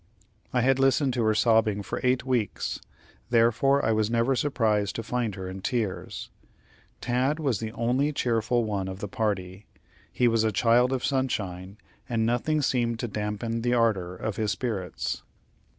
I had listened to her sobbing for eight weeks, therefore I was never surprised to find her in tears. Tad was the only cheerful one of the party. He was a child of sunshine, and nothing seemed to dampen the ardor of his spirits.